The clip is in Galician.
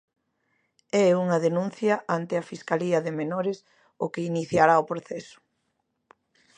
É unha denuncia ante a Fiscalía de Menores o que iniciará o proceso.